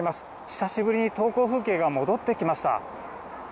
久しぶりに登校風景が戻ってきました。